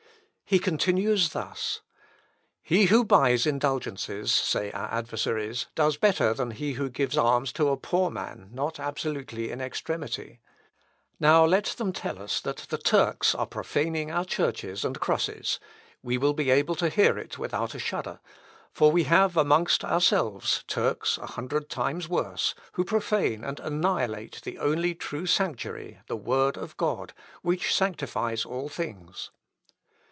He continues thus: "He who buys indulgences, say our adversaries, does better than he who gives alms to a poor man not absolutely in extremity. Now, let them tell us that the Turks are profaning our churches and crosses, we will be able to hear it without a shudder; for we have amongst ourselves Turks a hundred times worse, who profane and annihilate the only true sanctuary, the word of God, which sanctifies all things....